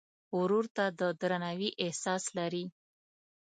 ورور ته د درناوي احساس لرې.